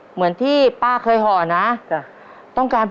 เหมือนที่ป้าเคยห่อนะ